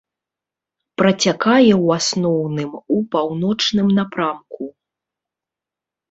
Працякае ў асноўным у паўночным напрамку.